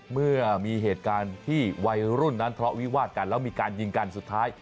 เมื่อมีเหตุการณ์ที่วัยรุ่นนั้นทะเลาะวิวาดกันแล้วมีการยิงกันสุดท้าย